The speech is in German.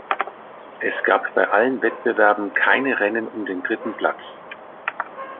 Es gab bei allen Wettbewerben keine Rennen um den dritten Platz.